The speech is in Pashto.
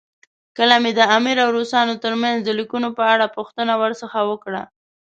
کله مې د امیر او روسانو ترمنځ د لیکونو په اړه پوښتنه ورڅخه وکړه.